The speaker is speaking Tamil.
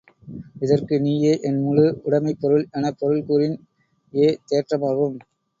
இதற்கு, நீயே என் முழு உடைமைப் பொருள் எனப் பொருள் கூறின் ஏ தேற்றமாகும்.